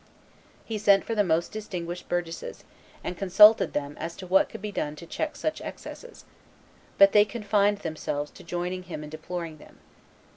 He sent for the most distinguished burgesses, and consulted them as to what could be done to check such excesses; but they confined themselves to joining him in deploring them.